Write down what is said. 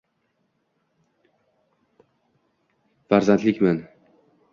Farzandlikman.